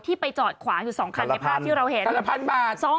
ที่ไปจอดขวางอยู่๒คันในภาพที่เราเห็น